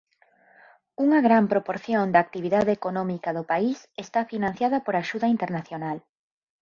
Unha gran proporción da actividade económica do país esta financiada por axuda internacional.